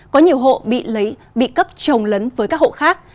có nhiều hộ bị cấp trồng lấn với các hộ khác